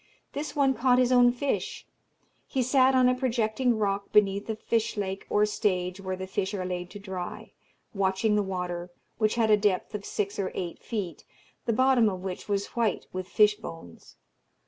This one caught his own fish; he sat on a projecting rock beneath a fish lake or stage, where the fish are laid to dry, watching the water, which had a depth of six or eight feet, the bottom of which was white with fish bones.